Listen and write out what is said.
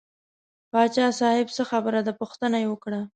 پاچا صاحب څه خبره ده پوښتنه یې وکړه.